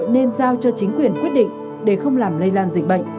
nên giao cho chính quyền quyết định để không làm lây lan dịch bệnh